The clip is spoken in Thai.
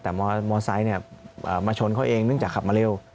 แต่มอไซค์มาชนเขาเองเนื่องจากขับมาเร็ว